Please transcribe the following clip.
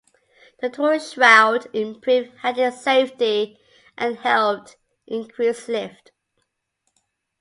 The torus shroud improved handling safety and helped increase lift.